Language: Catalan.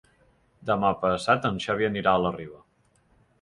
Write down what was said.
Demà passat en Xavi irà a la Riba.